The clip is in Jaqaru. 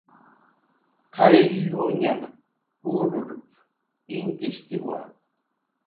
"Qaylluñan kururp"" inkishkiwa"